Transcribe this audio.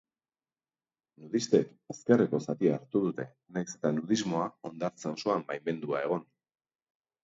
Nudistek ezkerreko zatia hartu dute, nahiz eta nudismoa hondartza osoan baimendua egon.